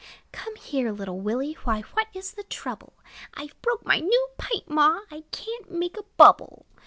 Come here, little Willie: Why, what is the trouble? "I 've broke my new pipe, ma' I can't make a bubble!"